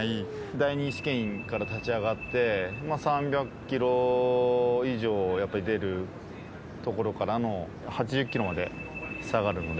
第２シケインから立ち上がってまあ３００キロ以上やっぱり出るところからの８０キロまで下がるので。